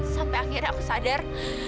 sampai akhirnya aku sadar